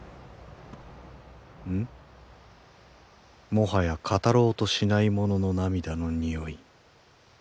もはや語ろうとしない者の涙の匂い。